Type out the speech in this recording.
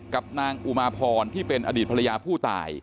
กับนางอุมาพรที่เป็นอดีตภรรยาผู้ตาย